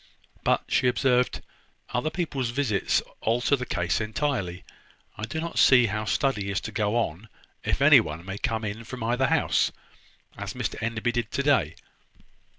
"But," she observed, "other people's visits alter the case entirely. I do not see how study is to go on if any one may come in from either house, as Mr Enderby did to day.